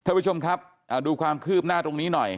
ท่านผู้ชมครับดูความคืบหน้าตรงนี้หน่อย